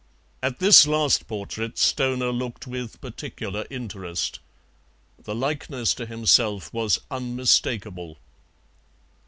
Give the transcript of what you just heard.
At this last portrait Stoner looked with particular interest; the likeness to himself was unmistakable.